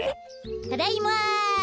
ただいま！